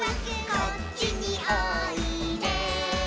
「こっちにおいで」